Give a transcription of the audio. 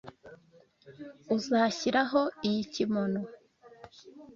Uzashyiraho iyi kimono?